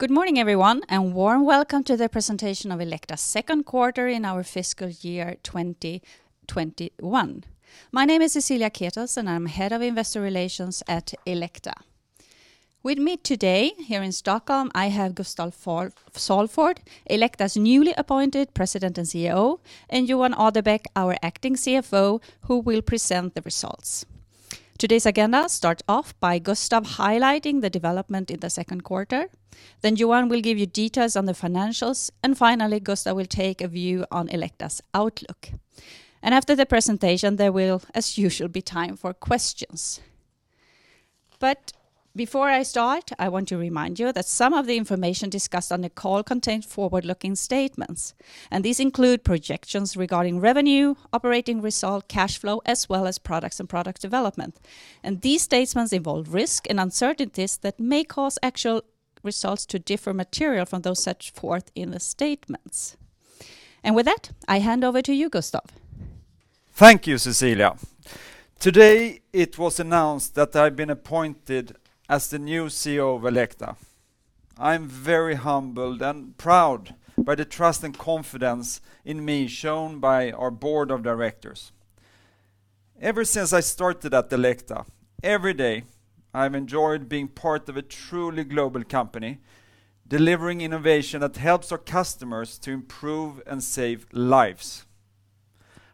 Good morning everyone, warm welcome to the presentation of Elekta's second quarter in our fiscal year 2021. My name is Cecilia Ketels, and I'm Head of Investor Relations at Elekta. With me today, here in Stockholm, I have Gustaf Salford, Elekta's newly appointed President and CEO, and Johan Adebäck, our Acting CFO, who will present the results. Today's agenda starts off by Gustaf highlighting the development in the second quarter, then Johan will give you details on the financials, and finally, Gustaf will take a view on Elekta's outlook. After the presentation, there will, as usual, be time for questions. Before I start, I want to remind you that some of the information discussed on the call contains forward-looking statements, and these include projections regarding revenue, operating results, cash flow, as well as products and product development. These statements involve risk and uncertainties that may cause actual results to differ materially from those set forth in the statements. With that, I hand over to you, Gustaf. Thank you, Cecilia. Today, it was announced that I've been appointed as the new CEO of Elekta. I'm very humbled and proud by the trust and confidence in me shown by our board of directors. Ever since I started at Elekta, every day, I've enjoyed being part of a truly global company, delivering innovation that helps our customers to improve and save lives.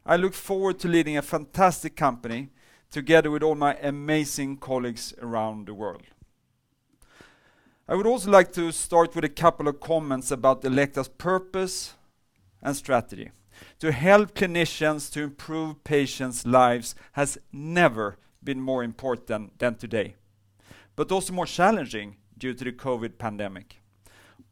I look forward to leading a fantastic company together with all my amazing colleagues around the world. I would also like to start with a couple of comments about Elekta's purpose and strategy. To help clinicians to improve patients' lives has never been more important than today, but also more challenging due to the COVID pandemic.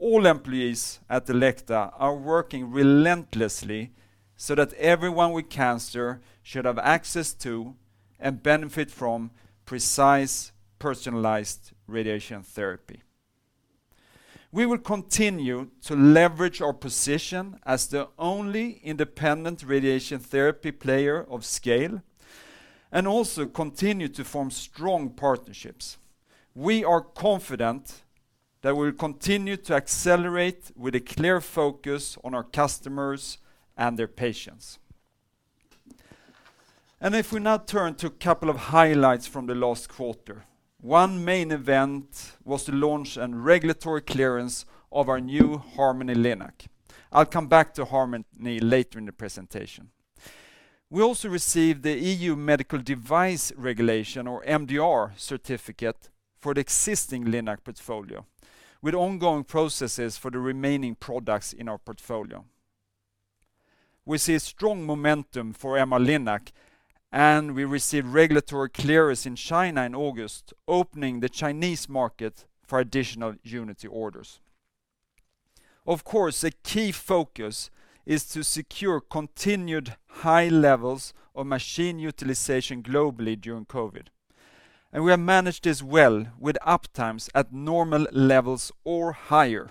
All employees at Elekta are working relentlessly so that everyone with cancer should have access to and benefit from precise, personalized radiation therapy. We will continue to leverage our position as the only independent radiation therapy player of scale and also continue to form strong partnerships. We are confident that we will continue to accelerate with a clear focus on our customers and their patients. If we now turn to a couple of highlights from the last quarter, one main event was the launch and regulatory clearance of our new Harmony Linac. I'll come back to Harmony later in the presentation. We also received the EU Medical Device Regulation, or MDR, certificate for the existing Linac portfolio, with ongoing processes for the remaining products in our portfolio. We see strong momentum for MR-Linac; we received regulatory clearance in China in August, opening the Chinese market for additional Unity orders. Of course, a key focus is to secure continued high levels of machine utilization globally during COVID, and we have managed this well with uptimes at normal levels or higher.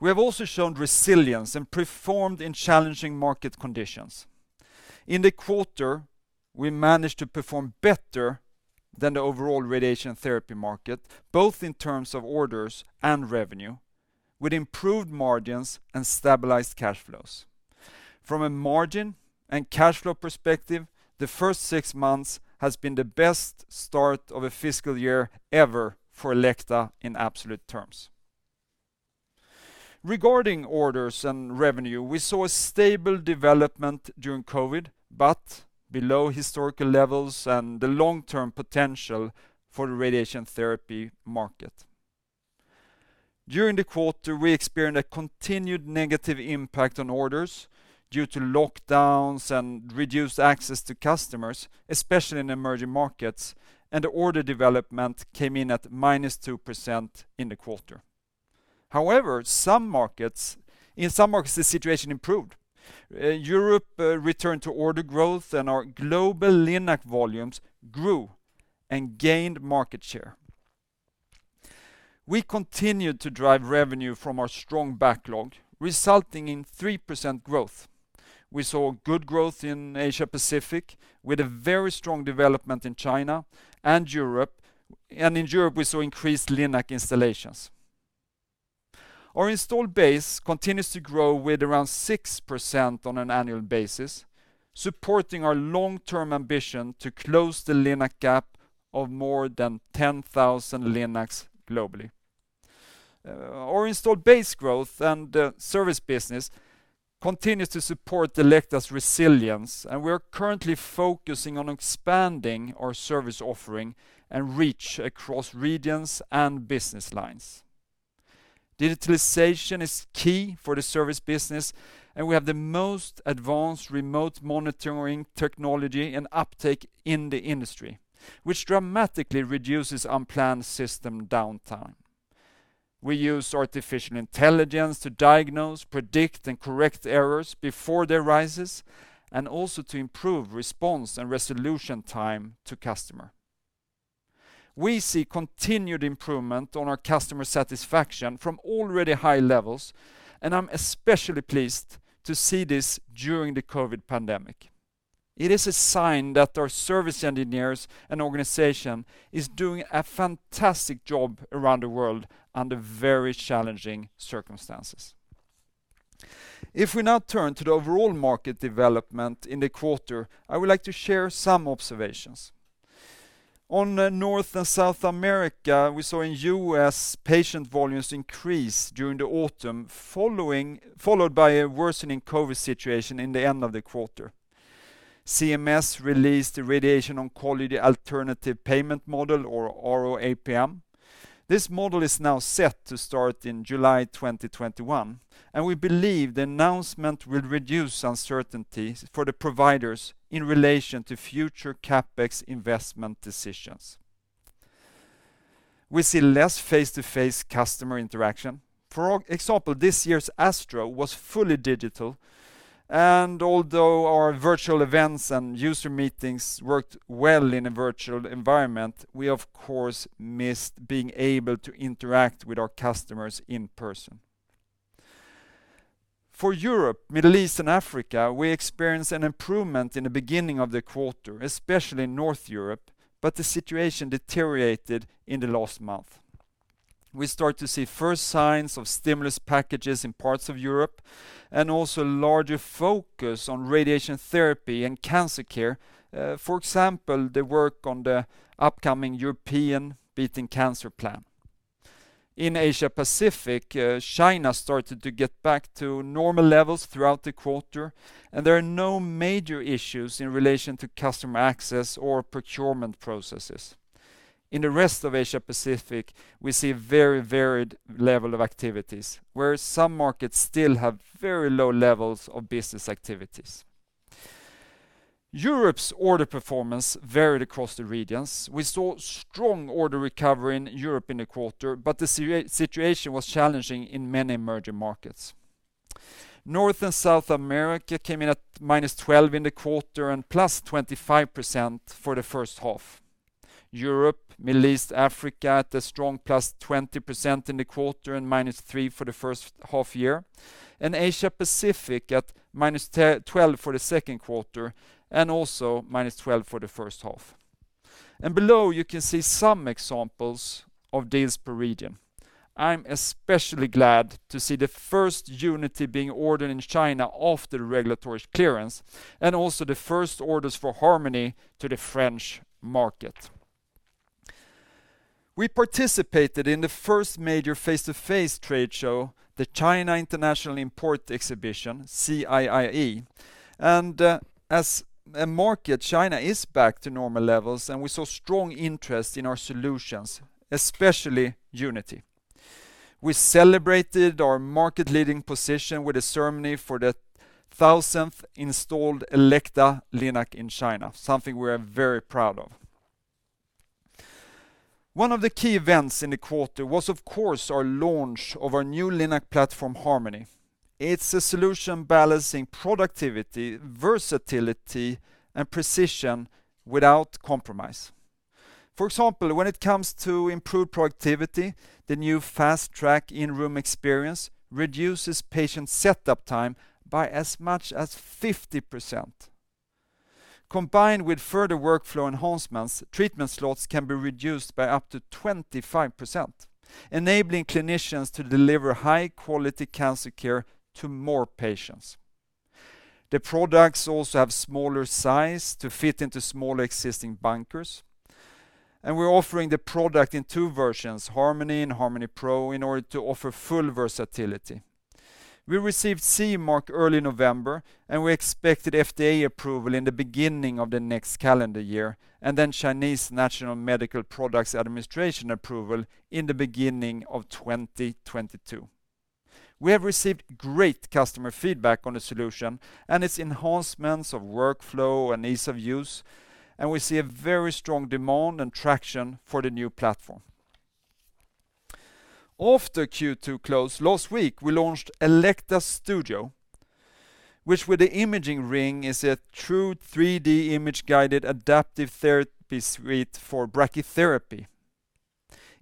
We have also shown resilience and performed in challenging market conditions. In the quarter, we managed to perform better than the overall radiation therapy market, both in terms of orders and revenue, with improved margins and stabilized cash flows. From a margin and cash flow perspective, the first six months has been the best start of a fiscal year ever for Elekta in absolute terms. Regarding orders and revenue, we saw a stable development during COVID, but below historical levels, and the long-term potential for the radiation therapy market. During the quarter, we experienced a continued negative impact on orders due to lockdowns and reduced access to customers, especially in emerging markets, and the order development came in at -2% in the quarter. However, in some markets, the situation improved. Europe returned to order growth, and our global Linac volumes grew and gained market share. We continued to drive revenue from our strong backlog, resulting in 3% growth. We saw good growth in Asia-Pacific with a very strong development in China and Europe, and in Europe, we saw increased Linac installations. Our installed base continues to grow with around 6% on an annual basis, supporting our long-term ambition to close the Linac gap of more than 10,000 Linacs globally. Our installed base growth and service business continue to support Elekta's resilience, and we are currently focusing on expanding our service offering and reach across regions and business lines. Digitalization is key for the service business, and we have the most advanced remote monitoring technology and uptake in the industry, which dramatically reduces unplanned system downtime. We use artificial intelligence to diagnose, predict, and correct errors before they arise, and also to improve response and resolution time to customer. We see continued improvement on our customer satisfaction from already high levels, and I'm especially pleased to see this during the COVID pandemic. It is a sign that our service engineers and organization is doing a fantastic job around the world under very challenging circumstances. If we now turn to the overall market development in the quarter, I would like to share some observations. On North and South America, we saw in U.S. patient volumes increase during the autumn, followed by a worsening COVID situation in the end of the quarter. CMS released the Radiation Oncology Alternative Payment Model, or ROAPM. This model is now set to start in July 2021. We believe the announcement will reduce uncertainties for the providers in relation to future CapEx investment decisions. We see less face-to-face customer interaction. For example, this year's ASTRO was fully digital. Although our virtual events and user meetings worked well in a virtual environment, we, of course, missed being able to interact with our customers in person. For Europe, Middle East, and Africa, we experienced an improvement in the beginning of the quarter, especially in North Europe. The situation deteriorated in the last month. We start to see the first signs of stimulus packages in parts of Europe, and also a larger focus on radiation therapy and cancer care. For example, the work on the upcoming Europe's Beating Cancer Plan. In Asia-Pacific, China started to get back to normal levels throughout the quarter, and there are no major issues in relation to customer access or procurement processes. In the rest of Asia-Pacific, we see very varied levels of activities, where some markets still have very low levels of business activities. Europe's order performance varied across the regions. We saw strong order recovery in Europe in the quarter, but the situation was challenging in many emerging markets. North and South America came in at -12% in the quarter and +25% for the first half. Europe, Middle East, Africa at a strong +20% in the quarter and -3% for the first half year, and Asia-Pacific at -12% for the second quarter and also -12% for the first half. Below you can see some examples of deals per region. I'm especially glad to see the first Unity being ordered in China after regulatory clearance, and also the first orders for Harmony to the French market. We participated in the first major face-to-face trade show, the China International Import Expo, CIIE. As a market, China is back to normal levels, and we saw strong interest in our solutions, especially Unity. We celebrated our market-leading position with a ceremony for the 1,000th installed Elekta Linac in China, something we are very proud of. One of the key events in the quarter was, of course, our launch of our new Linac platform, Elekta Harmony. It's a solution balancing productivity, versatility, and precision without compromise. For example, when it comes to improved productivity, the new fast-track in-room experience reduces patient setup time by as much as 50%. Combined with further workflow enhancements, treatment slots can be reduced by up to 25%, enabling clinicians to deliver high-quality cancer care to more patients. The products also have a smaller size to fit into smaller existing bunkers. We're offering the product in two versions, Harmony and Harmony Pro, in order to offer full versatility. We received the CE mark in early November. We expected FDA approval in the beginning of the next calendar year, then Chinese National Medical Products Administration approval in the beginning of 2022. We have received great customer feedback on the solution and its enhancements of workflow and ease of use. We see a very strong demand and traction for the new platform. After Q2 close, last week, we launched Elekta Studio, which, with the ImagingRing, is a true 3D image-guided adaptive therapy suite for brachytherapy.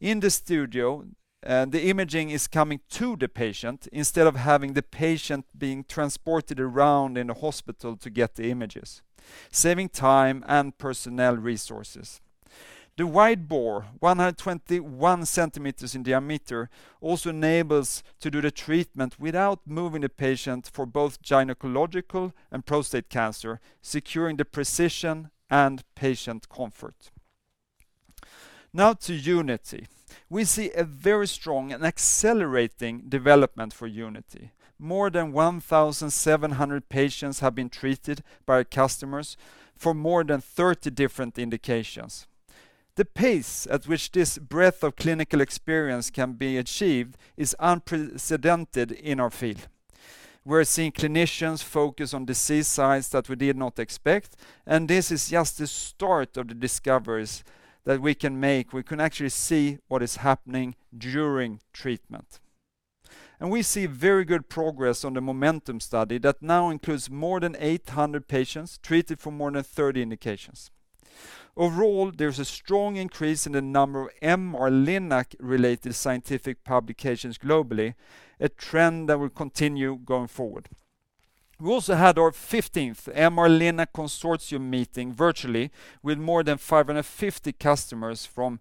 In the Studio, the imaging is coming to the patient instead of having the patient being transported around in a hospital to get the images, saving time and personnel resources. The wide bore, 121 cm in diameter, also enables to do the treatment without moving the patient for both gynecological and prostate cancer, securing the precision and patient comfort. Now to Unity. We see a very strong and accelerating development for Unity. More than 1,700 patients have been treated by our customers for more than 30 different indications. The pace at which this breadth of clinical experience can be achieved is unprecedented in our field. We're seeing clinicians focus on disease sites that we did not expect, and this is just the start of the discoveries that we can make. We can actually see what is happening during treatment. We see very good progress on the MOMENTUM study that now includes more than 800 patients treated for more than 30 indications. Overall, there is a strong increase in the number of MR-Linac-related scientific publications globally, a trend that will continue going forward. We also had our 15th MR-Linac Consortium meeting virtually with more than 550 customers from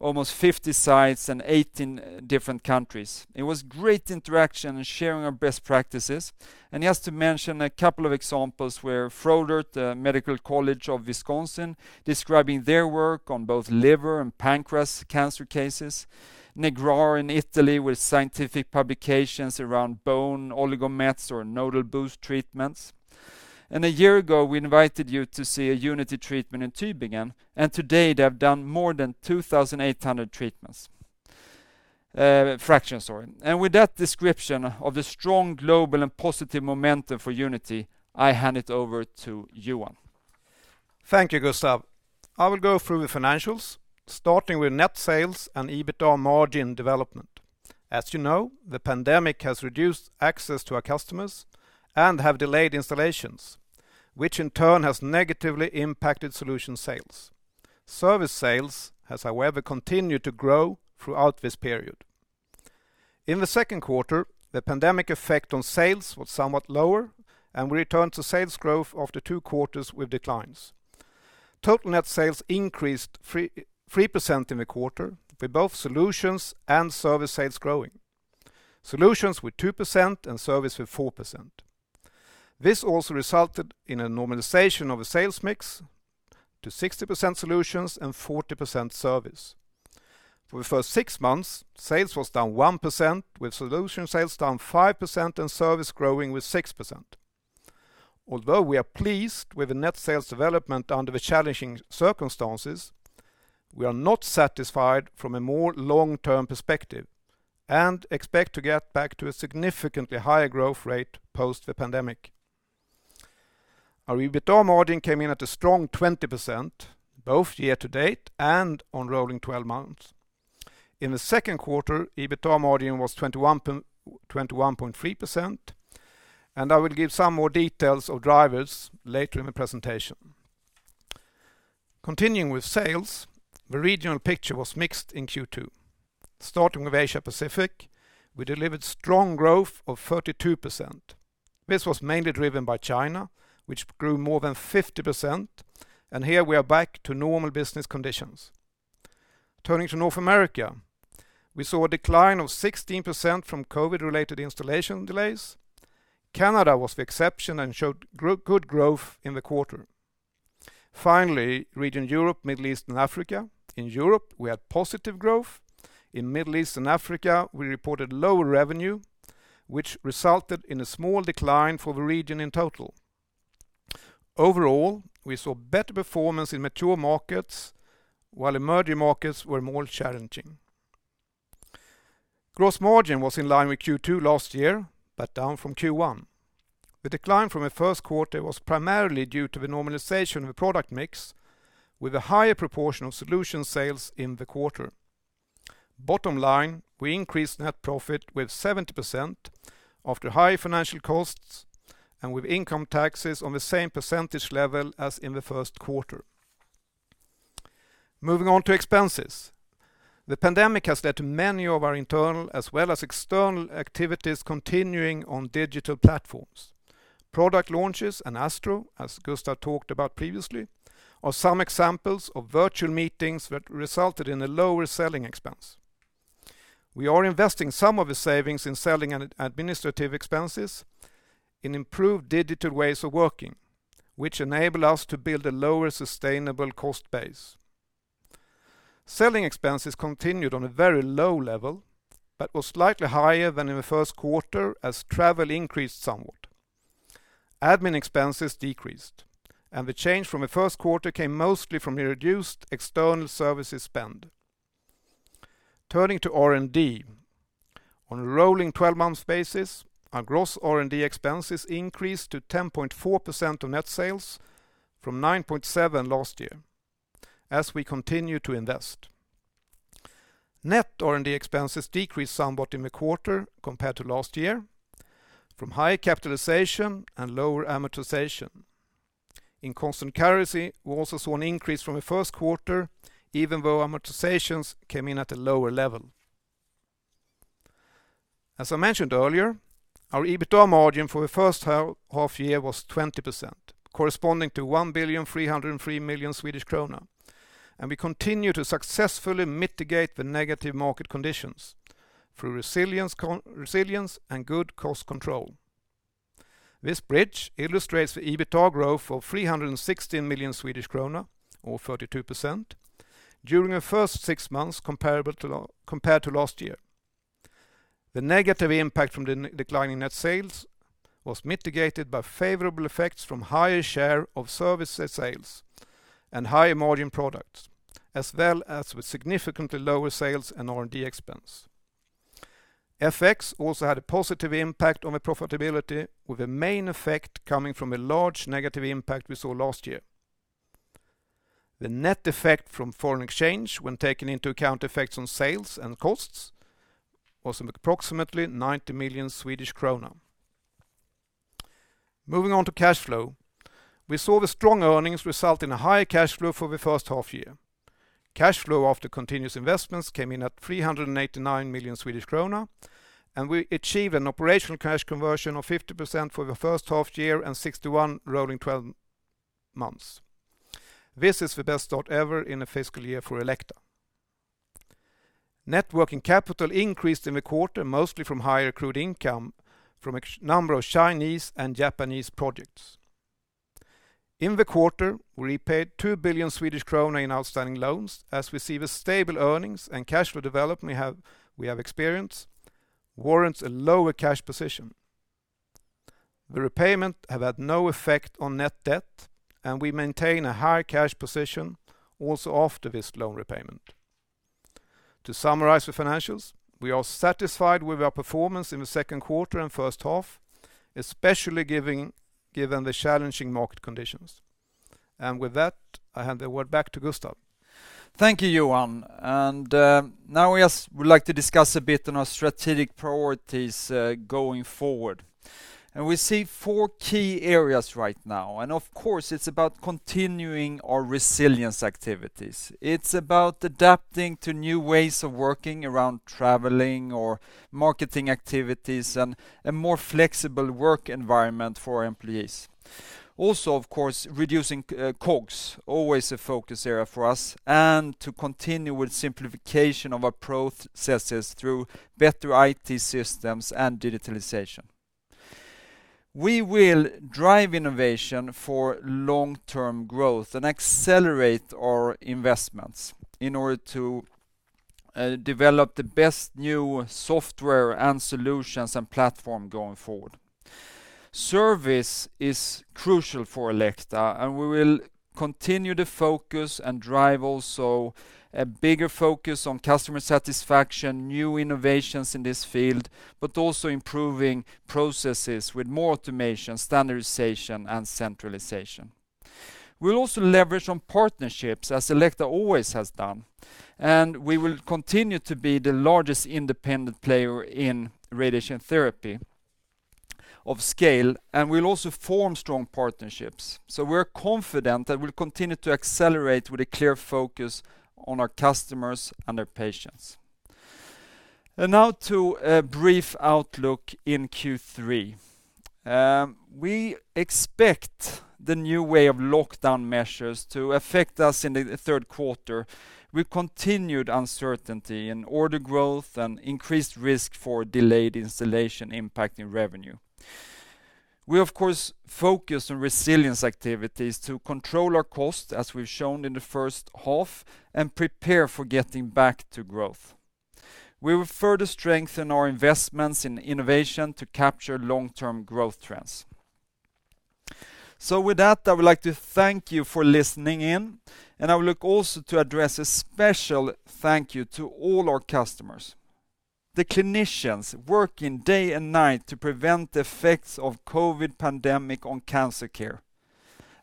almost 50 sites and 18 different countries. It was a great interaction and sharing our best practices. Just to mention a couple of examples, Froedtert and the Medical College of Wisconsin, describing their work on both liver and pancreas cancer cases. Negrar in Italy with scientific publications around bone oligomet or nodal boost treatments. A year ago, we invited you to see a Unity treatment in Tübingen, and today, they have done more than 2,800 fractions. With that description of the strong global and positive momentum for Unity, I hand it over to Johan. Thank you, Gustaf. I will go through the financials, starting with net sales and EBITDA margin development. As you know, the pandemic has reduced access to our customers and have delayed installations, which in turn has negatively impacted solution sales. Service sales have, however, continued to grow throughout this period. In the second quarter, the pandemic's effect on sales was somewhat lower, and we returned to sales growth after two quarters with declines. Total net sales increased 3% in the quarter, with both solutions and service sales growing. Solutions with 2% and service with 4%. This also resulted in a normalization of the sales mix to 60% solutions and 40% service. For the first six months, sales were down 1%, with solution sales down 5% and service growing with 6%. Although we are pleased with the net sales development under the challenging circumstances, we are not satisfied from a more long-term perspective and expect to get back to a significantly higher growth rate post the pandemic. Our EBITDA margin came in at a strong 20%, both year-to-date and on rolling 12 months. In the second quarter, EBITDA margin was 21.3%, and I will give some more details of the drivers later in the presentation. Continuing with sales, the regional picture was mixed in Q2. Starting with Asia-Pacific, we delivered a strong growth of 32%. This was mainly driven by China, which grew more than 50%, and here we are back to normal business conditions. Turning to North America, we saw a decline of 16% from COVID-related installation delays. Canada was the exception and showed good growth in the quarter. Finally, the region Europe, Middle East, and Africa. In Europe, we had positive growth. In the Middle East and Africa, we reported lower revenue, which resulted in a small decline for the region in total. Overall, we saw better performance in mature markets, while emerging markets were more challenging. Gross margin was in line with Q2 last year, but down from Q1. The decline from the first quarter was primarily due to the normalization of product mix, with a higher proportion of solution sales in the quarter. Bottom line, we increased net profit with 70% after high financial costs and with income taxes on the same percentage level as in the first quarter. Moving on to expenses. The pandemic has led to many of our internal as well as external activities continuing on digital platforms. Product launches and ASTRO, as Gustaf talked about previously, are some examples of virtual meetings that resulted in lower selling expenses. We are investing some of the savings in selling and administrative expenses in improved digital ways of working, which enable us to build a lower, sustainable cost base. Selling expenses continued on a very low level, but was slightly higher than in the first quarter as travel increased somewhat. Admin expenses decreased, and the change from the first quarter came mostly from the reduced external services spend. Turning to R&D. On a rolling 12-month basis, our gross R&D expenses increased to 10.4% of net sales from 9.7% last year, as we continue to invest. Net R&D expenses decreased somewhat in the quarter compared to last year, from high capitalization and lower amortization. In constant currency, we also saw an increase from the first quarter, even though amortizations came in at a lower level. As I mentioned earlier, our EBITDA margin for the first half of the year was 20%, corresponding to 1.303 billion. We continue to successfully mitigate the negative market conditions through resilience and good cost control. This bridge illustrates the EBITDA growth of 316 million Swedish kronor, or 32%, during the first six months compared to last year. The negative impact from the decline in net sales was mitigated by favorable effects from a higher share of service sales and higher-margin products, as well as with significantly lower sales and R&D expense. FX also had a positive impact on the profitability, with the main effect coming from a large negative impact we saw last year. The net effect from foreign exchange, when taking into account effects on sales and costs, was approximately SEK 90 million. Moving on to cash flow. We saw the strong earnings result in a higher cash flow for the first half of the year. Cash flow after continuous investments came in at 389 million Swedish krona, and we achieved an operational cash conversion of 50% for the first half of the year and 61% rolling 12 months. This is the best start ever in a fiscal year for Elekta. Net working capital increased in the quarter, mostly from higher accrued income from a number of Chinese and Japanese projects. In the quarter, we repaid 2 billion Swedish kronor in outstanding loans, as we see the stable earnings and cash flow development we have experienced warrant a lower cash position. The repayment have had no effect on net debt. We maintain a high cash position also after this loan repayment. To summarize the financials, we are satisfied with our performance in the second quarter and first half, especially given the challenging market conditions. With that, I hand the word back to Gustaf. Thank you, Johan. Now we would like to discuss a bit on our strategic priorities going forward. We see four key areas right now, and of course, it's about continuing our resilience activities. It's about adapting to new ways of working around traveling or marketing activities, and a more flexible work environment for our employees. Also, of course, reducing COGS, always a focus area for us, and to continue with the simplification of our processes through better IT systems and digitalization. We will drive innovation for long-term growth and accelerate our investments in order to develop the best new software, and solutions, and platforms going forward. Service is crucial for Elekta, and we will continue the focus and drive also a bigger focus on customer satisfaction, new innovations in this field, but also improving processes with more automation, standardization, and centralization. We'll also leverage on partnerships, as Elekta always has done. We will continue to be the largest independent player in radiation therapy of scale. We'll also form strong partnerships. We're confident that we'll continue to accelerate with a clear focus on our customers and their patients. Now to a brief outlook in Q3. We expect the new way of lockdown measures to affect us in the third quarter, with continued uncertainty, and order growth and increased risk for delayed installation impacting revenue. We, of course, focus on resilience activities to control our cost as we've shown in the first half and prepare for getting back to growth. We will further strengthen our investments in innovation to capture long-term growth trends. With that, I would like to thank you for listening in, and I would also like to address a special thank you to all our customers, the clinicians working day and night to prevent the effects of the COVID pandemic on cancer care.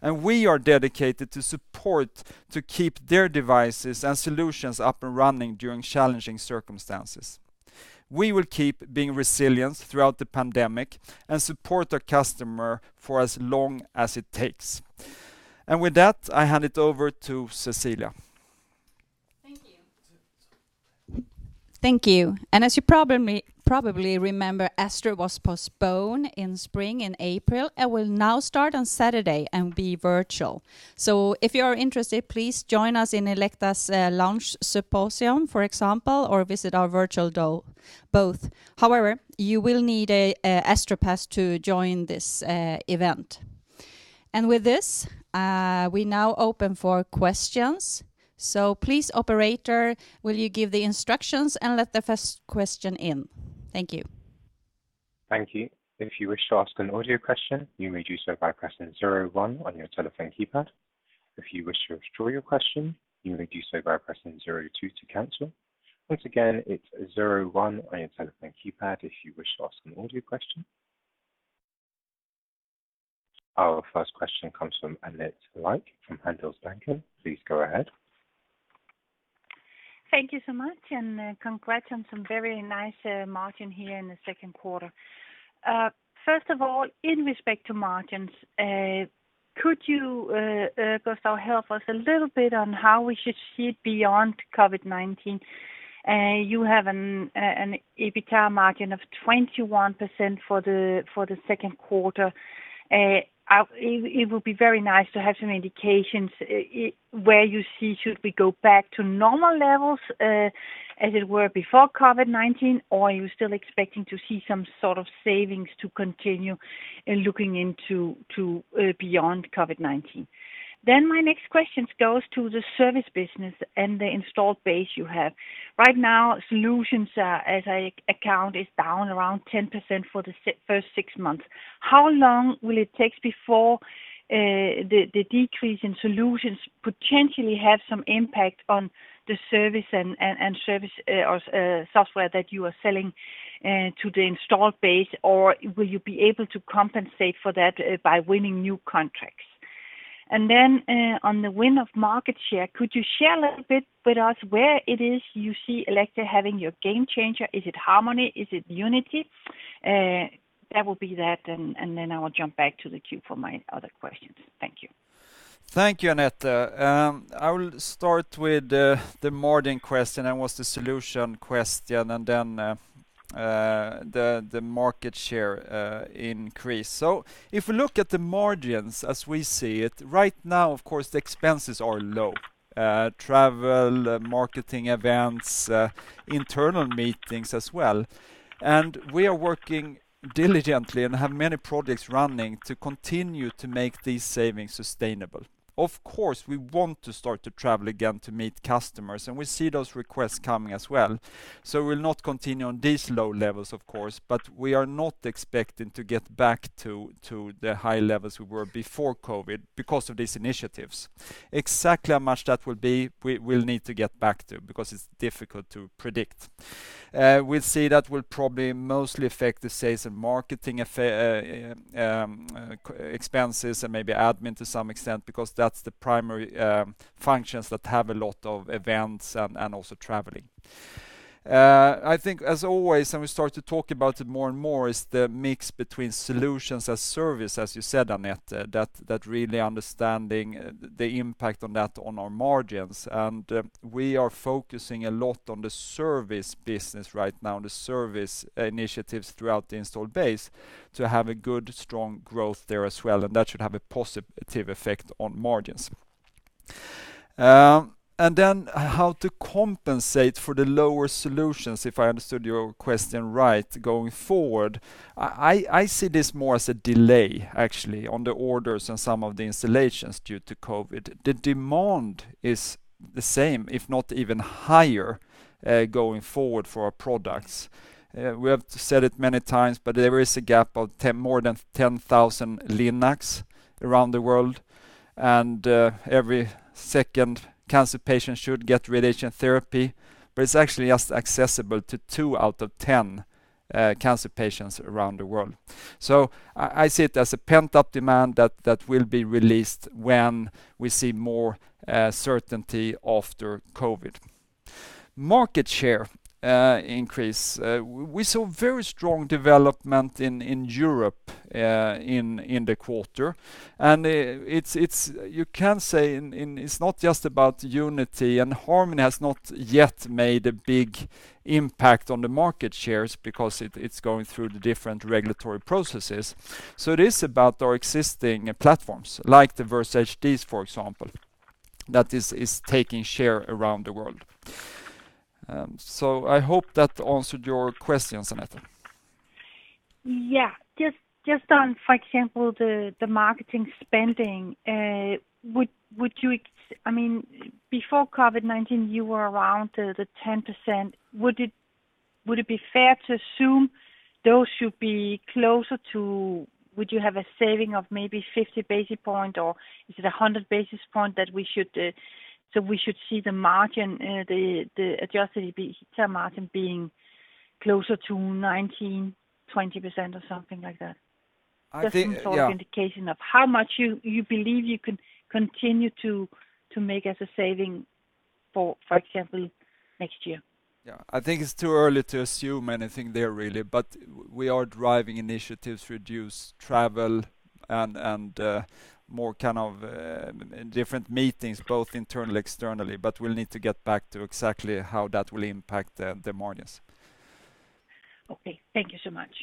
We are dedicated to support to keep their devices and solutions up and running during challenging circumstances. We will keep being resilient throughout the pandemic and support our customers for as long as it takes. With that, I hand it over to Cecilia. Thank you. As you probably remember, ESTRO was postponed in spring in April and will now start on Saturday and be virtual. If you are interested, please join us in Elekta's launch symposium, for example, or visit our virtual booth. However, you will need an ESTRO pass to join this event. With this, we now open for questions. Please, operator, will you give the instructions and let the first question in? Thank you. Thank you. If you wish to ask an audio question, you may do so by pressing zero one on your telephone keypad. If you wish to withdraw your question, you may do so by pressing zero two to cancel. Once again, it's zero one on your telephone keypad if you wish to ask an audio question. Our first question comes from Annette Lykke from Handelsbanken. Please go ahead. Thank you so much. Congrats on some very nice margins here in the second quarter. First of all, in respect to margins, could you, Gustaf, help us a little bit on how we should see it beyond COVID-19? You have an EBITDA margin of 21% for the second quarter. It would be very nice to have some indications where you see we should go back to normal levels, as it were before COVID-19, or are you still expecting to see some sort of savings to continue looking into beyond COVID-19? My next question goes to the service business and the installed base you have. Right now, solutions as I account is down around 10% for the first six months. How long will it take before the decrease in solutions potentially have some impact on the service and service or software that you are selling to the install base, or will you be able to compensate for that by winning new contracts? On the win of market share, could you share a little bit with us where it is you see Elekta having your game-changer? Is it Harmony? Is it Unity? That will be that, and then I will jump back to the queue for my other questions. Thank you. Thank you, Annette. I will start with the margin question and what's the solution question, then the market share increase. If we look at the margins as we see it, right now, of course, the expenses are low, travel, marketing events, internal meetings as well. We are working diligently and have many projects running to continue to make these savings sustainable. Of course, we want to start to travel again to meet customers, and we see those requests coming as well. We'll not continue on these low levels, of course, but we are not expecting to get back to the high levels we were before COVID because of these initiatives. Exactly how much that will be, we'll need to get back to because it's difficult to predict. We'll see that will probably mostly affect the sales and marketing expenses, and maybe admin to some extent, because that's the primary functions that have a lot of events and also traveling. I think, as always, we start to talk about it more and more, it's the mix between solutions as a service, as you said, Annette, that really understanding the impact on that on our margins. We are focusing a lot on the service business right now, the service initiatives throughout the installed base, to have a good, strong growth there as well, and that should have a positive effect on margins. How to compensate for the lower solutions, if I understood your question right, going forward. I see this more as a delay, actually, on the orders and some of the installations due to COVID. The demand is the same, if not even higher, going forward for our products. We have said it many times, but there is a gap of more than 10,000 Linacs around the world, and every second cancer patient should get radiation therapy, but it's actually just accessible to two out of 10 cancer patients around the world. I see it as a pent-up demand that will be released when we see more certainty after COVID. Market share increase. We saw very strong development in Europe in the quarter, and you can say it's not just about Unity, and Harmony has not yet made a big impact on the market shares because it's going through the different regulatory processes. It is about our existing platforms, like the Versa HDs, for example, that is taking share around the world. I hope that answered your questions, Annette. Yeah. Just on, for example, the marketing spending, before COVID-19, you were around the 10%. Would it be fair to assume those will be closer to, would you have a saving of maybe 50 basis points, or is it 100 basis points? We should see the margin, the adjusted EBITDA margin being closer to 19, 20%, or something like that? I think. Just some sort of indication of how much you believe you can continue to make as a saving, for example, next year. Yeah. I think it's too early to assume anything there, really. We are driving initiatives to reduce travel and more kinds of different meetings, both internal externally, but we'll need to get back to exactly how that will impact the margins. Okay. Thank you so much.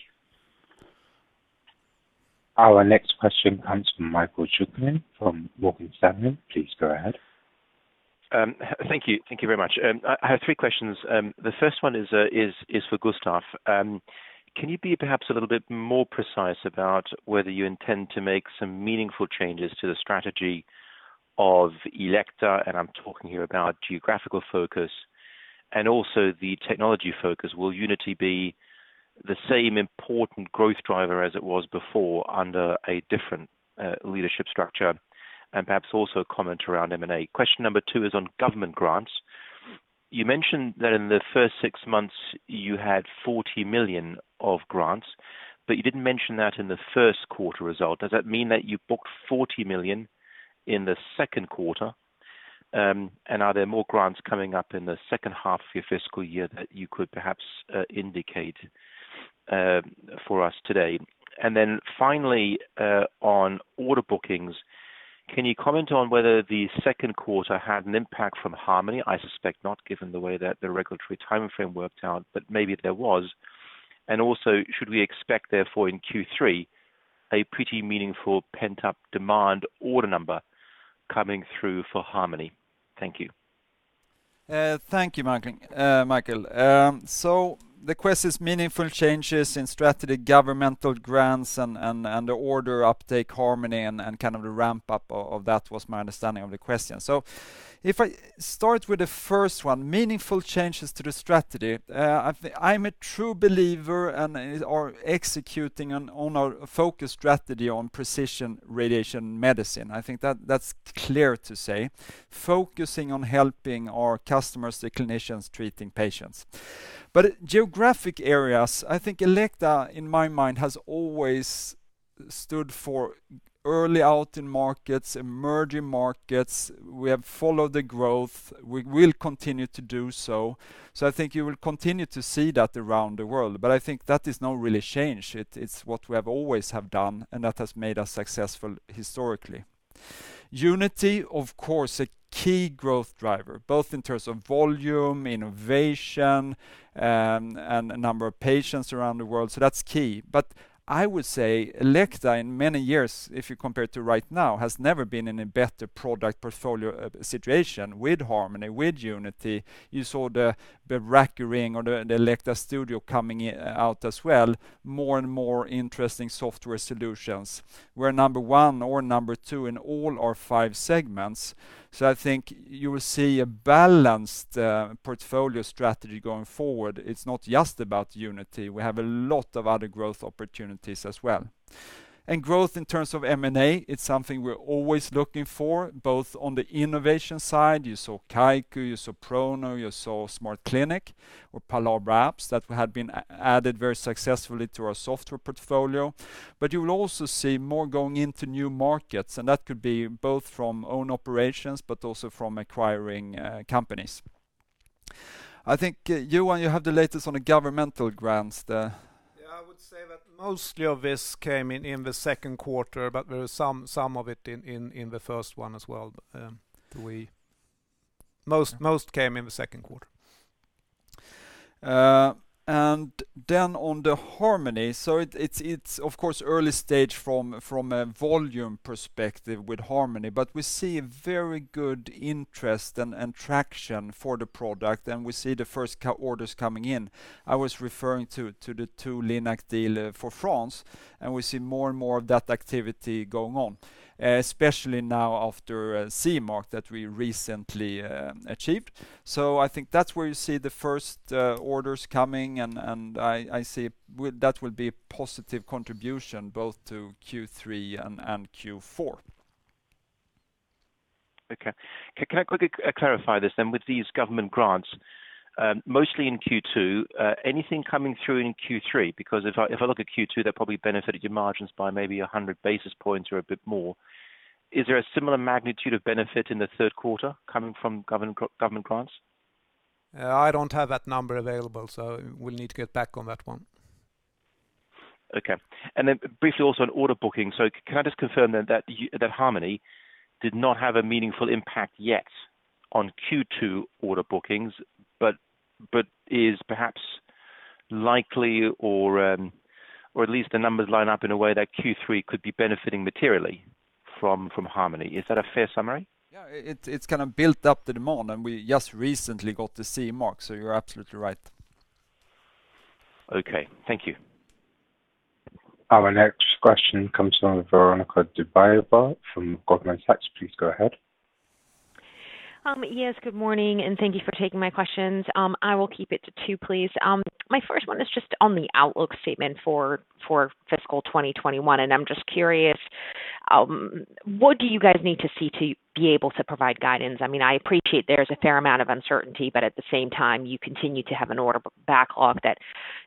Our next question comes from Mike Jüngling from Morgan Stanley. Please go ahead. Thank you. Thank you very much. I have three questions. The first one is for Gustaf. Can you perhaps be a little bit more precise about whether you intend to make some meaningful changes to the strategy of Elekta? I'm talking here about geographical focus and also the technology focus. Will Unity be the same important growth driver as it was before under a different leadership structure? Perhaps also comment around M&A. Question number two is on government grants. You mentioned that in the first six months, you had 40 million of grants, but you didn't mention that in the first quarter results. Does that mean that you booked 40 million in the second quarter? Are there more grants coming up in the second half of your fiscal year that you could perhaps indicate for us today? Finally, on order bookings, can you comment on whether the second quarter had an impact from Harmony? I suspect not, given the way that the regulatory timeframe worked out, but maybe there was. Should we expect, therefore, in Q3, a pretty meaningful pent-up demand order number coming through for Harmony? Thank you. Thank you, Michael. The question is meaningful changes in strategy, governmental grants, and the order uptake, Harmony, and kind of the ramp-up of that was my understanding of the question. If I start with the first one, meaningful changes to the strategy. I'm a true believer and are executing on our focus strategy on precision radiation medicine. I think that's clear to say. Focusing on helping our customers, the clinicians treating patients. Geographic areas, I think Elekta, in my mind, has always stood for early out in markets, emerging markets. We have followed the growth. We will continue to do so. I think you will continue to see that around the world, but I think that is not really changed. It's what we have always done, and that has made us successful historically. Unity, of course, a key growth driver, both in terms of volume, innovation, and number of patients around the world. That's key. I would say Elekta in many years, if you compare it to right now, has never been in a better product portfolio situation with Harmony, with Unity. You saw the [ImagingRing] or the Elekta Studio coming out as well. More and more interesting software solutions. We're number one or number two in all five of our segments. I think you will see a balanced portfolio strategy going forward. It's not just about Unity. We have a lot of other growth opportunities as well. Growth in terms of M&A it's something we're always looking for, both on the innovation side. You saw Kaiku, you saw ProKnow, you saw SmartClinic, or Palomar apps that had been added very successfully to our software portfolio. You will also see more going into new markets, and that could be both from own operations but also from acquiring companies. I think, Johan, you have the latest on the governmental grants there. I would say that most of this came in the second quarter, but there is some of it in the first one as well. Most came in the second quarter. On the Harmony. It's, of course early stage from a volume perspective with Harmony, but we see very good interest and traction for the product, and we see the first orders coming in. I was referring to the two Linac deals for France, and we see more and more of that activity going on, especially now, after CE mark that we recently achieved. I think that's where you see the first orders coming, and I see that will be a positive contribution both to Q3 and Q4. Okay. Can I quickly clarify this then? With these government grants, mostly in Q2, anything coming through in Q3? If I look at Q2, they probably benefited your margins by maybe 100 basis points or a bit more. Is there a similar magnitude of benefit in the third quarter coming from government grants? I don't have that number available, so we'll need to get back on that one. Okay. Briefly, also on order booking, can I just confirm that Harmony did not have a meaningful impact yet on Q2 order bookings, but is perhaps likely, or at least the numbers line up in a way that Q3 could be benefiting materially from Harmony. Is that a fair summary? Yeah. It's kind of built up the demand, and we just recently got the CE mark, so you're absolutely right. Okay. Thank you. Our next question comes from Veronika Dubajova from Goldman Sachs. Please go ahead. Yes, good morning, and thank you for taking my questions. I will keep it to two, please. My first one is just on the outlook statement for fiscal 2021, and I'm just curious, what do you guys need to see to be able to provide guidance? I appreciate there's a fair amount of uncertainty, but at the same time, you continue to have an order backlog that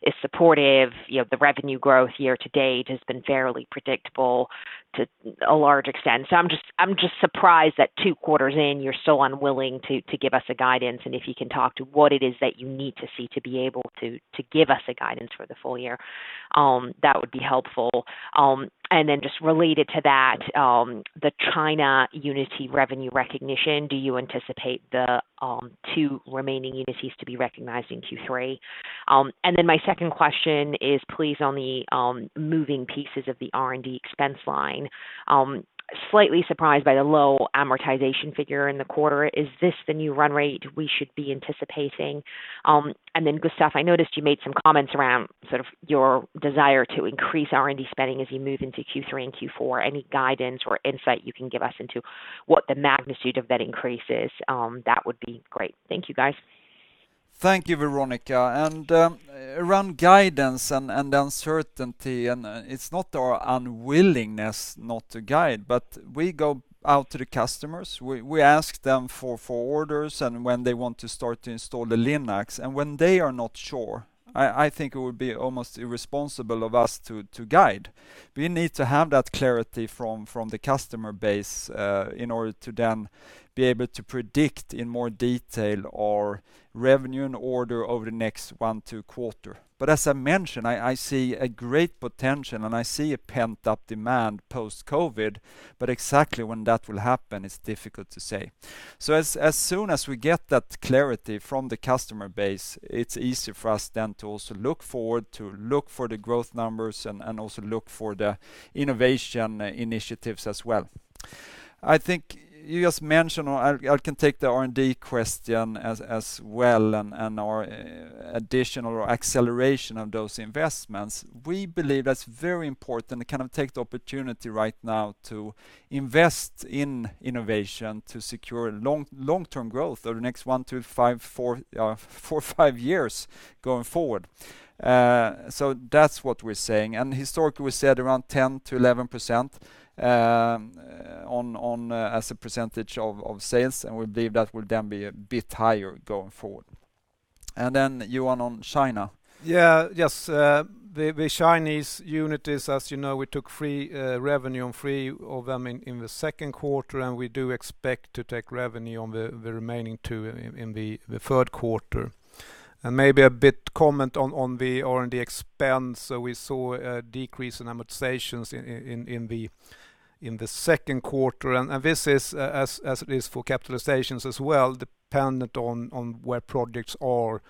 is supportive. The revenue growth year to date has been fairly predictable to a large extent. I'm just surprised that two quarters in, you're still unwilling to give us guidance, and if you can talk to what it is that you need to see to be able to give us guidance for the full year, that would be helpful. Just related to that, the China Unity revenue recognition, do you anticipate the two remaining Unities to be recognized in Q3? My second question is, please, on the moving pieces of the R&D expense line. Slightly surprised by the low amortization figure in the quarter. Is this the new run rate we should be anticipating? Gustaf, I noticed you made some comments around your desire to increase R&D spending as you move into Q3 and Q4. Any guidance or insight you can give us into what the magnitude of that increase is? That would be great. Thank you, guys. Thank you, Veronika. Around guidance and uncertainty, it's not our unwillingness not to guide, but we go out to the customers. We ask them for orders and when they want to start to install the Linacs. When they are not sure, I think it would be almost irresponsible of us to guide. We need to have that clarity from the customer base in order to then be able to predict in more detail our revenue and orders over the next one or two quarters. As I mentioned, I see great potential, and I see a pent-up demand post-COVID, but exactly when that will happen, it's difficult to say. As soon as we get that clarity from the customer base, it's easy for us then to also look forward to look for the growth numbers and also look for the innovation initiatives as well. I think you just mentioned, or I can take the R&D question as well, and our additional acceleration of those investments. We believe that's very important to take the opportunity right now to invest in innovation to secure long-term growth over the next one, two, four, five years going forward. That's what we're saying. Historically, we said around 10%-11% as a percentage of sales. We believe that will then be a bit higher going forward. Johan on China. Yes. The Chinese units, as you know, we took three revenues on three of them in the second quarter. We do expect to take revenue on the remaining two in the third quarter. Maybe a bit of comment on the R&D expense, we saw a decrease in amortizations in the second quarter. This is, as it is for capitalizations as well, dependent on where projects are.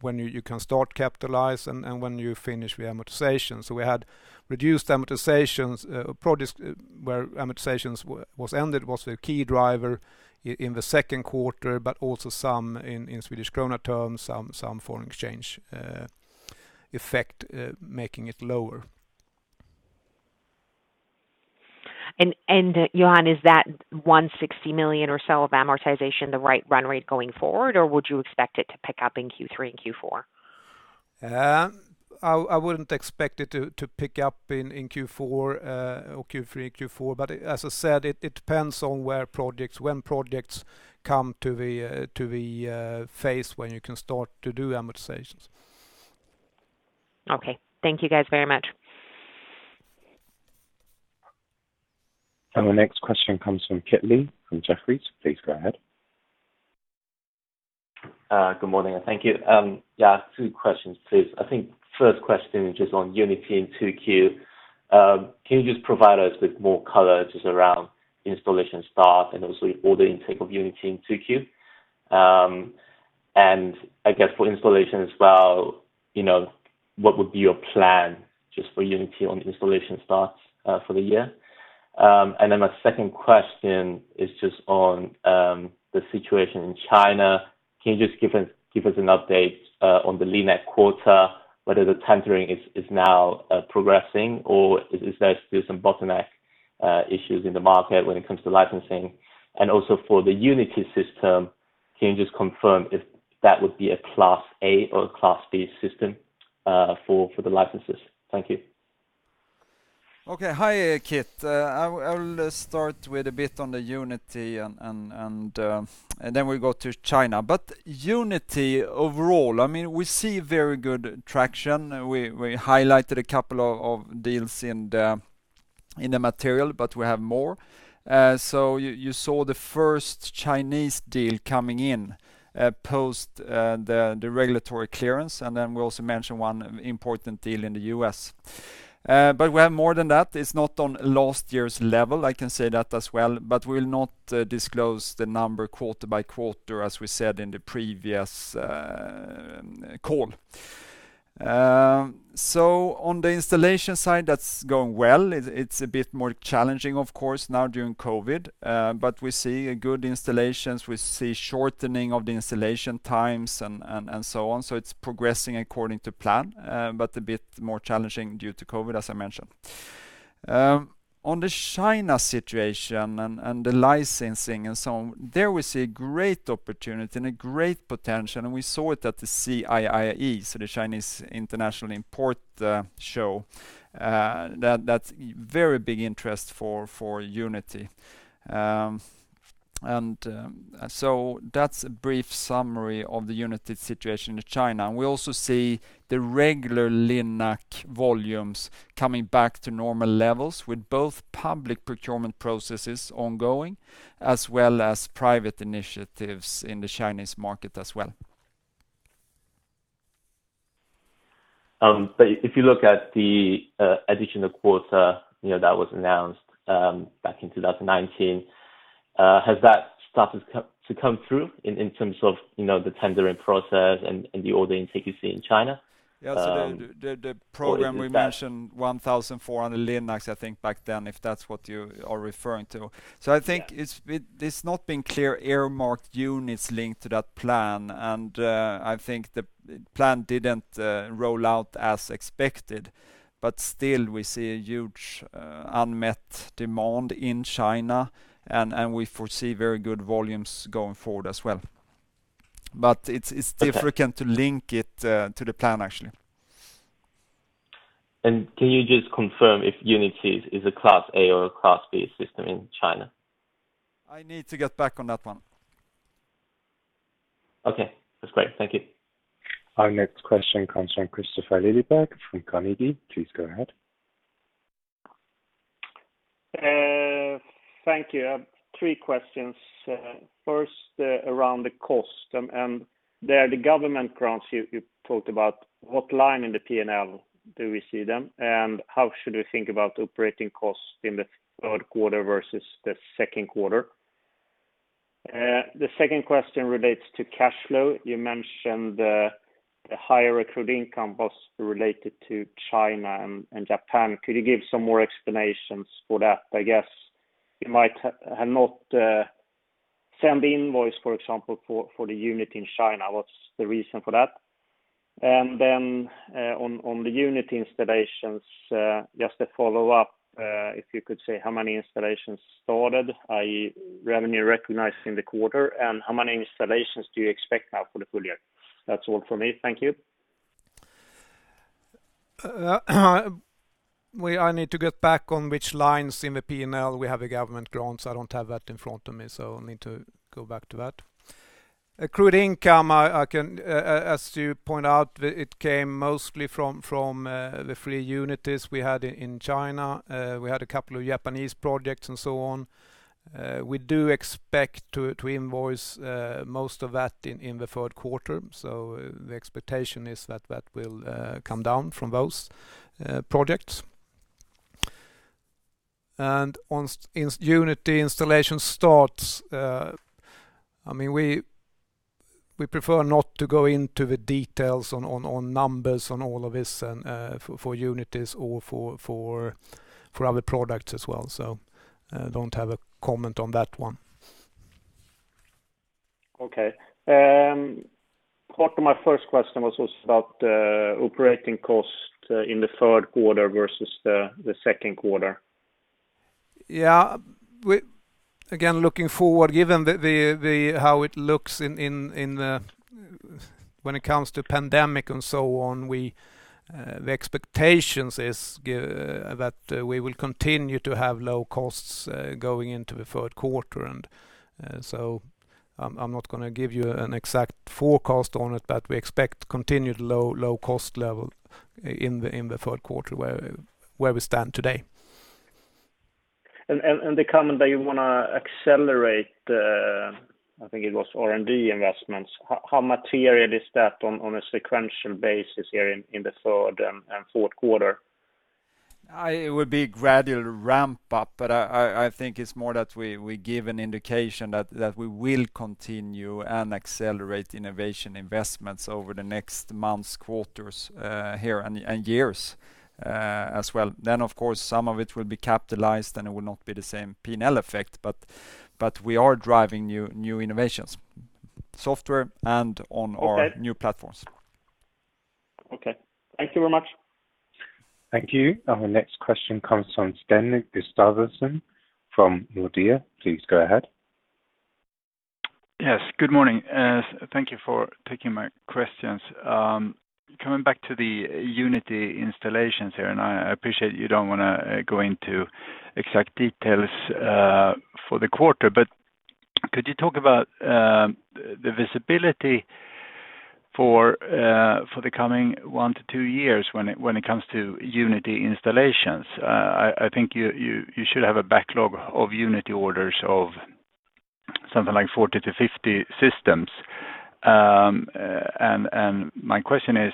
When you can start to capitalize, and when you finish the amortization. We had reduced amortizations, projects where amortizations were ended was the key driver in the second quarter, also some in Swedish krona terms, some foreign exchange effect, making it lower. Johan, is that 160 million or so of amortization the right run rate going forward, or would you expect it to pick up in Q3 and Q4? I wouldn't expect it to pick up in Q4 or Q3, Q4. As I said, it depends on when projects come to the phase when you can start to do amortizations. Okay. Thank you very much, guys. The next question comes from Kit Lee from Jefferies. Please go ahead. Good morning, thank you. Yeah, two questions, please. I think the first question is just on Unity in 2Q. Can you just provide us with more color, just around the installation start, and also the order intake of Unity in 2Q? I guess for installation as well, what would be your plan just for Unity on installation starts for the year? My second question is just on the situation in China. Can you just give us an update on the Linac quarter, whether the tendering is now progressing, or is there still some bottleneck issues in the market when it comes to licensing? Also, for the Unity system, can you just confirm if that would be a Class I or a Class II system for the licenses? Thank you. Okay. Hi, Kit. I will start with a bit on the Unity, and then we go to China. Unity overall, we see very good traction. We highlighted a couple of deals in the material, but we have more. You saw the first Chinese deal coming in post the regulatory clearance, and then we also mentioned one important deal in the U.S. We have more than that. It's not on last year's level, I can say that as well. We'll not disclose the number quarter by quarter as we said in the previous call. On the installation side, that's going well. It's a bit more challenging, of course, now during COVID. We see good installations, we see shortening of the installation times, and so on. It's progressing according to plan. A bit more challenging due to COVID, as I mentioned. On the China situation and the licensing and so on, there we see a great opportunity and a great potential, and we saw it at the CIIE, so the China International Import Expo, that very big interest for Unity. That's a brief summary of the Unity situation in China. We also see the regular Linac volumes coming back to normal levels with both public procurement processes ongoing, as well as private initiatives in the Chinese market as well. If you look at the additional quarter that was announced back in 2019, has that started to come through in terms of the tendering process and the order intake you see in China? Yeah. The program we mentioned 1,400 Linacs, I think back then, if that's what you are referring to. I think there's not been clear earmarked units linked to that plan, and I think the plan didn't roll out as expected. Still, we see a huge unmet demand in China, and we foresee very good volumes going forward as well. It's difficult to link it to the plan, actually. Can you just confirm if Unity is a Class I or a Class II system in China? I need to get back on that one. Okay. That's great. Thank you. Our next question comes from Kristofer Liljeberg from Carnegie. Please go ahead. Thank you. Three questions. First, around the cost, there are the government grants you talked about. What line in the P&L do we see them? How should we think about operating costs in the third quarter versus the second quarter? The second question relates to cash flow. You mentioned the higher accrued income was related to China and Japan. Could you give some more explanations for that? I guess you might not have sent an invoice, for example, for the Unity in China. What's the reason for that? On the unit installations, just a follow-up, if you could say how many installations started, i.e., revenue recognized in the quarter, and how many installations do you expect now for the full year? That's all from me. Thank you. I need to get back on which lines in the P&L we have a government grant. I don't have that in front of me. I'll need to go back to that. Accrued income, as you point out, came mostly from the three units we had in China. We had a couple of Japanese projects and so on. We do expect to invoice most of that in the third quarter. The expectation is that it will come down from those projects. On Unity installation starts, we prefer not to go into the details on numbers on all of this for Unity or for other products as well. Don't have a comment on that one. Okay. Part of my first question was also about the operating cost in the third quarter versus the second quarter. Yeah. Again, looking forward, given how it looks when it comes to the pandemic and so on, the expectation is that we will continue to have low costs going into the third quarter. I'm not going to give you an exact forecast on it, but we expect a continued low-cost level in the third quarter, where we stand today. The comment that you want to accelerate, I think it was R&D investments, how material is that on a sequential basis here in the third and fourth quarter? It would be a gradual ramp-up, but I think it's more that we give an indication that we will continue and accelerate innovation investments over the next months, quarters here, and years as well. Of course, some of it will be capitalized, and it will not be the same P&L effect, but we are driving new innovations, software. Okay. New platforms. Okay. Thank you very much. Thank you. Our next question comes from Sten Gustafsson from Nordea. Please go ahead. Yes, good morning. Thank you for taking my questions. Coming back to the Unity installations here. I appreciate you don't want to go into exact details for the quarter, but could you talk about the visibility for the coming one to two years when it comes to Unity installations? I think you should have a backlog of Unity orders of something like 40-50 systems. My question is,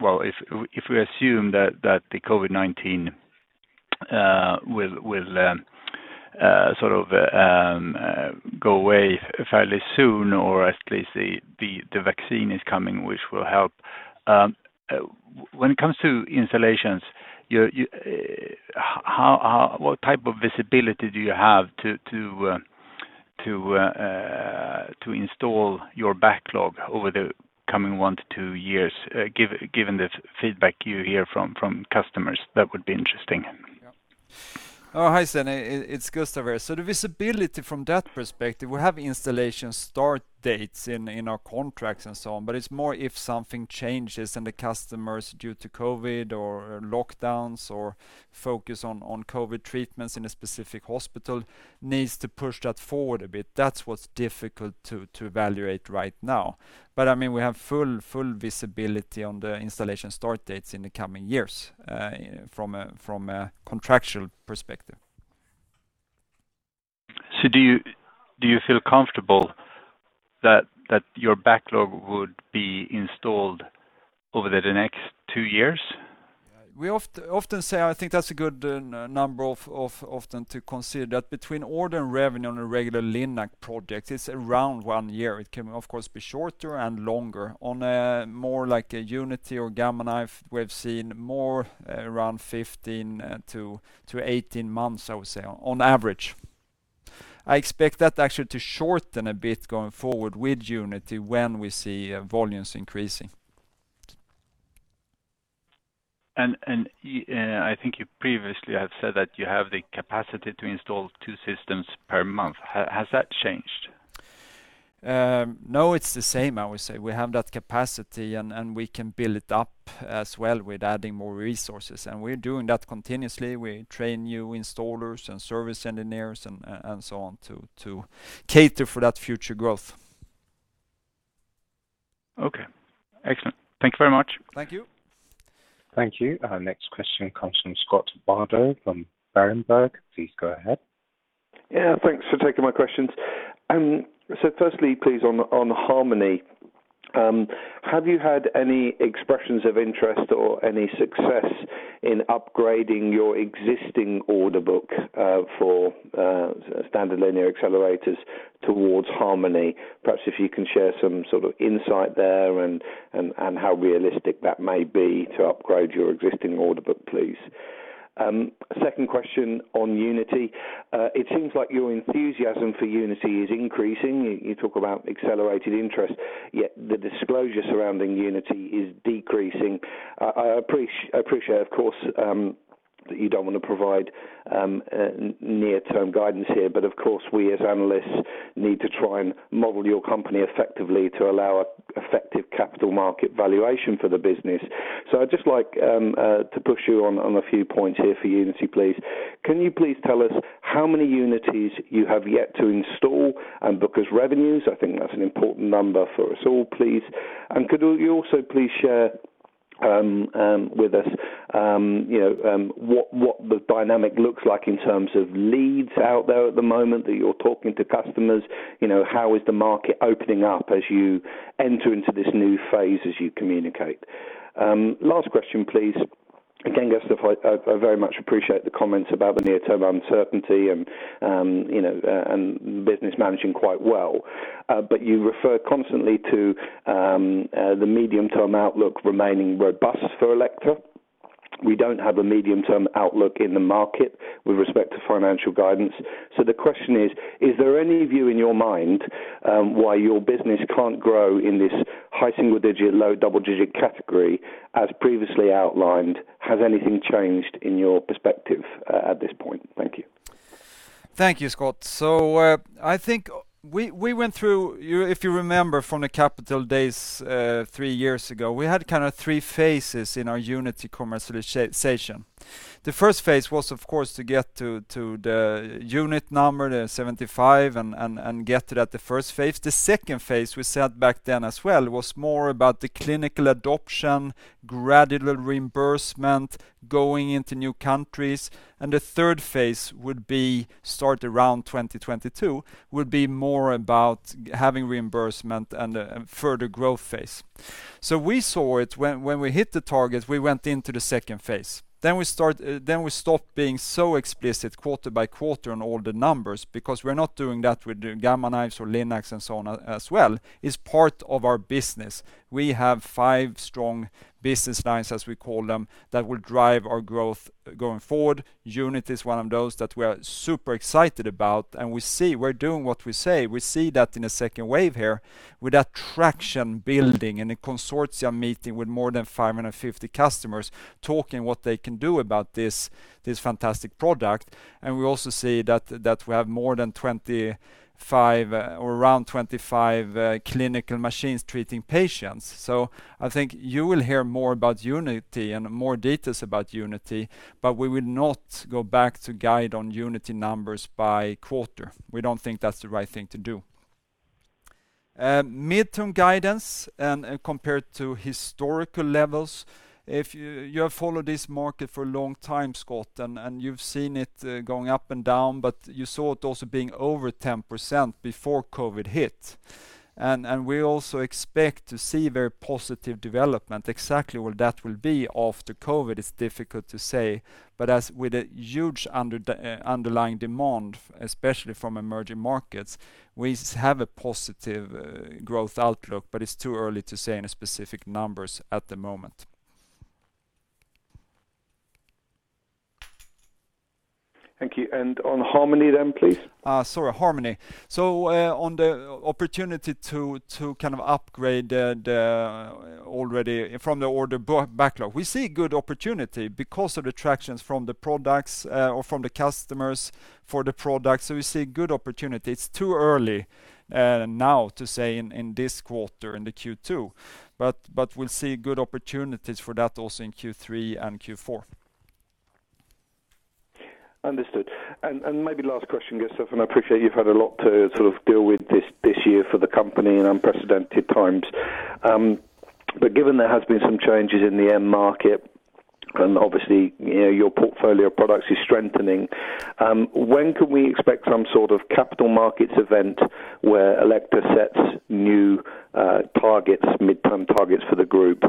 if we assume that COVID-19 will sort of go away fairly soon, or at least the vaccine is coming, which will help? When it comes to installations, what type of visibility do you have to install your backlog over the coming one to two years, given the feedback you hear from customers? That would be interesting. Yeah. Oh, hi, Sten. It's Gustaf here. The visibility from that perspective, we have installation start dates in our contracts and so on, but it's more if something changes and the customers, due to COVID or lockdowns or focus on COVID treatments in a specific hospital, need to push that forward a bit. That's what's difficult to evaluate right now. We have full visibility on the installation start dates in the coming years from a contractual perspective. Do you feel comfortable that your backlog would be installed over the next two years? We often say, I think that's a good number often to consider, that between order and revenue on a regular Linac project, it's around one year. It can, of course, be shorter and longer. On a more like a Unity or Gamma Knife, we've seen more around 15-18 months, I would say, on average. I expect that actually to shorten a bit going forward with Unity when we see volumes increasing. I think you previously have said that you have the capacity to install two systems per month. Has that changed? No, it's the same, I would say. We have that capacity, and we can build it up as well with adding more resources. We're doing that continuously. We train new installers, and service engineers, and so on to cater for that future growth. Okay. Excellent. Thank you very much. Thank you. Thank you. Our next question comes from Scott Bardo from Berenberg. Please go ahead. Thanks for taking my questions. Firstly, please, on Harmony, have you had any expressions of interest or any success in upgrading your existing order book for standard linear accelerators towards Harmony? Perhaps if you can share some sort of insight there and how realistic that may be to upgrade your existing order book, please. Second question on Unity. It seems like your enthusiasm for Unity is increasing. You talk about accelerated interest, yet the disclosure surrounding Unity is decreasing. I appreciate, of course, that you don't want to provide near-term guidance here, but of course, we as analysts need to try, and model your company effectively to allow effective capital market valuation for the business. I'd just like to push you on a few points here for Unity, please. Can you please tell us how many Unity you have yet to install and book as revenue? I think that's an important number for us all, please. Could you also please share with us what the dynamic looks like in terms of leads out there at the moment that you're talking to customers? How is the market opening up as you enter into this new phase, as you communicate? Last question, please. Again, Gustaf, I very much appreciate the comments about the near-term uncertainty and the business managing quite well. You refer constantly to the medium-term outlook remaining robust for Elekta. We don't have a medium-term outlook in the market with respect to financial guidance. The question is: Is there any view in your mind why your business can't grow in this high single-digit, low double-digit category as previously outlined? Has anything changed in your perspective at this point? Thank you. Thank you, Scott. I think we went through, if you remember from the capital days three years ago, we had three phases in our Unity commercialization. The first phase was, of course, to get to the unit number, the 75, and get to that the first phase. The second phase we set back then as well, was more about the clinical adoption, gradual reimbursement, going into new countries. The third phase would be start around 2022, would be more about having reimbursement and a further growth phase. We saw it when we hit the target; we went into the second phase. We stopped being so explicit quarter by quarter on all the numbers, because we're not doing that with Gamma Knives or Linacs and so on as well. It's part of our business. We have five strong business lines, as we call them, that will drive our growth going forward. Unity is one of those that we are super excited about. We're doing what we say. We see that in the second wave here, with that traction building and a consortium meeting with more than 550 customers talking about what they can do about this fantastic product. We also see that we have more than 25 or around 25 clinical machines treating patients. I think you will hear more about Unity and more details about Unity. We will not go back to guide on Unity numbers by quarter. We don't think that's the right thing to do. Midterm guidance and compared to historical levels. You have followed this market for a long time, Scott, and you've seen it going up and down, but you also saw it being over 10% before COVID hit. We also expect to see very positive development. Exactly what that will be after COVID is difficult to say. As with a huge underlying demand, especially from emerging markets, we have a positive growth outlook, but it's too early to say any specific numbers at the moment. Thank you. On Harmony, then, please. Sorry, Harmony. On the opportunity to upgrade from the order backlog. We see a good opportunity because of the traction from the products or from the customers for the product. We see a good opportunity. It's too early now to say in this quarter, in the Q2, we'll see good opportunities for that also in Q3 and Q4. Understood. Maybe last question, Gustaf, and I appreciate you've had a lot to sort of deal with this year for the company in unprecedented times. Given there has been some changes in the end market, and obviously, your portfolio of products is strengthening, when can we expect some sort of capital markets event where Elekta sets new midterm targets for the group,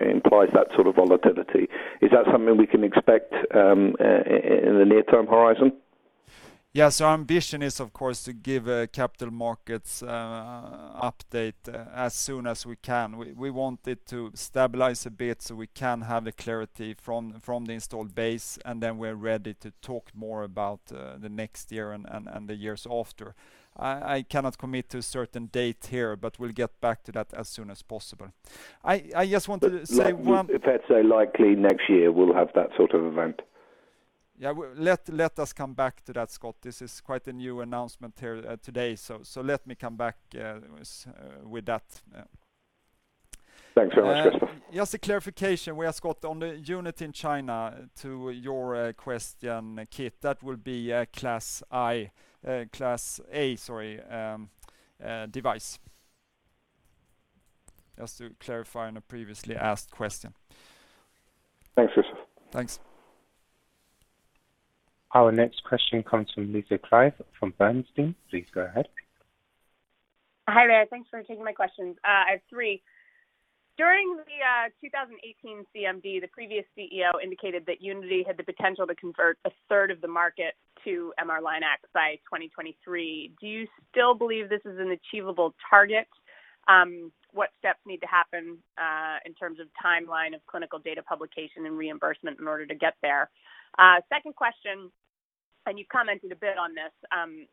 implies that sort of volatility? Is that something we can expect in the near-term horizon? Our ambition is, of course, to give a capital markets update as soon as we can. We want it to stabilize a bit so we can have clarity from the installed base, then we're ready to talk more about the next year and the years after. I cannot commit to a certain date here; we'll get back to that as soon as possible. Fair to say, likely next year we'll have that sort of event? Yeah. Let us come back to that, Scott. This is quite a new announcement here today, so let me come back with that. Thanks very much, Gustaf. Just a clarification, Scott, on the unit in China, to your question, Kit, that will be a Class I device. Just to clarify on a previously asked question. Thanks, Gustaf. Thanks. Our next question comes from Lisa Clive from Bernstein. Please go ahead. Hi there. Thanks for taking my questions. I have three. During the 2018 CMD, the previous CEO indicated that Unity had the potential to convert a third of the market to MR-Linac by 2023. Do you still believe this is an achievable target? What steps need to happen in terms of the timeline of clinical data publication and reimbursement in order to get there? Second question. You've commented a bit on this,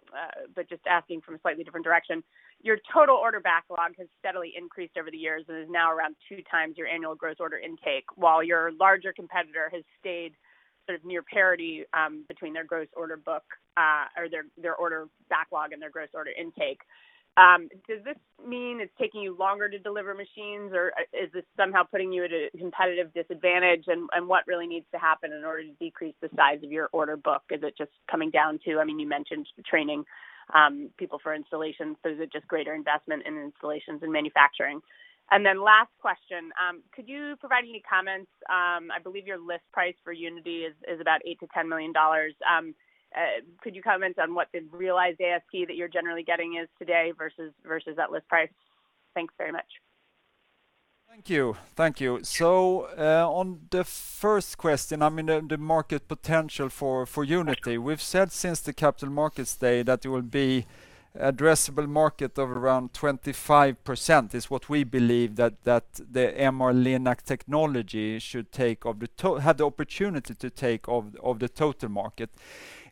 but just asking from a slightly different direction. Your total order backlog has steadily increased over the years and is now around two times your annual gross order intake, while your larger competitor has stayed sort of near parity between their gross order book or their order backlog and their gross order intake. Does this mean it's taking you longer to deliver machines, or is this somehow putting you at a competitive disadvantage? What really needs to happen in order to decrease the size of your order book? Is it just coming down to, you mentioned training people for installations, so is it just a greater investment in installations and manufacturing? Last question, could you provide any comments? I believe your list price for Unity is about $8 million-$10 million. Could you comment on what the realized ASP that you're generally getting is today versus that list price? Thanks very much. Thank you. On the first question, the market potential for Unity. We've said since the Capital Markets Day that it will be an addressable market of around 25%, is what we believe that the MR-Linac technology should have the opportunity to take of the total market.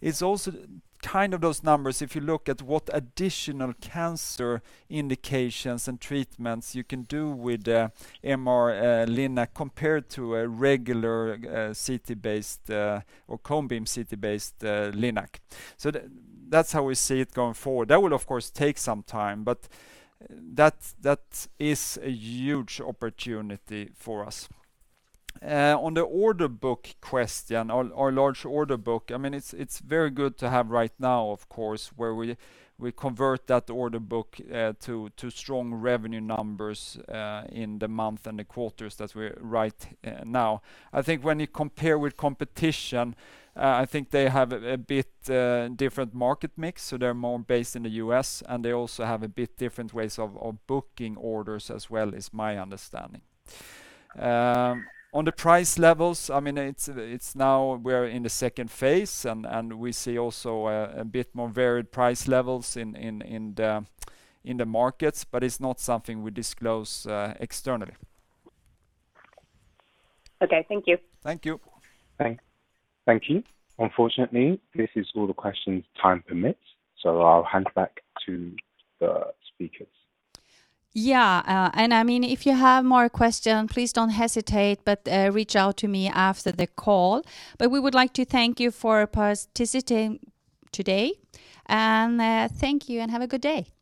It's also kind of those numbers, if you look at what additional cancer indications and treatments you can do with the MR-Linac compared to a regular CT-based or cone beam CT-based Linac. That's how we see it going forward. That will, of course, take some time, but that is a huge opportunity for us. On the order book question, our large order book it's very good to have right now, of course, where we convert that order book to strong revenue numbers in the month and the quarters that we're in right now. I think when you compare with competition, I think they have a bit different market mix, so they're more based in the U.S., and they also have a bit different ways of booking orders as well, is my understanding. On the price levels, now we're in the second phase, and we see also a bit more varied price levels in the markets, but it's not something we disclose externally. Okay. Thank you. Thank you. Thank you. Unfortunately, this is all the questions, time permits, so I'll hand back to the speakers. Yeah. If you have more questions, please don't hesitate to reach out to me after the call. We would like to thank you for participating today, and thank you, and have a good day.